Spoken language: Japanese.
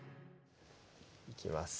いきます